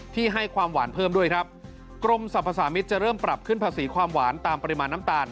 ให้ความหวานเพิ่มด้วยครับกรมสรรพสามิตรจะเริ่มปรับขึ้นภาษีความหวานตามปริมาณน้ำตาล